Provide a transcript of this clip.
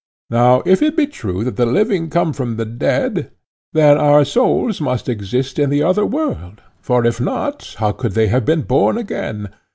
Now if it be true that the living come from the dead, then our souls must exist in the other world, for if not, how could they have been born again?